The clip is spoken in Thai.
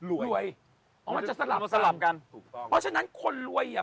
รวยอ๋อมันจะสลับสลับกันถูกต้องเพราะฉะนั้นคนรวยอ่ะ